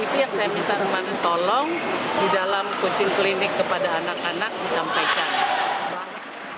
itu yang saya minta teman teman tolong di dalam kucing klinik kepada anak anak disampaikan